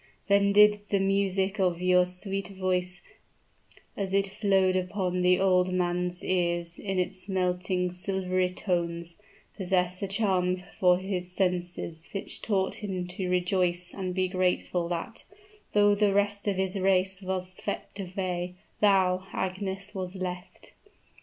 Then did the music of your sweet voice, as it flowed upon the old man's ears in its melting, silvery tones, possess a charm for his senses which taught him to rejoice and be grateful that, though the rest of his race was swept away, thou, Agnes, was left!